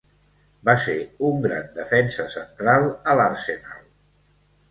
Va ser un gran defensa central a l'Arsenal.